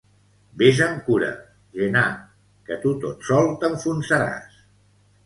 Vés amb cura, Gennà, que tu tot sol t'enfonsaràs.